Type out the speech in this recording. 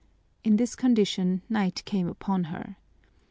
In this condition night came upon her.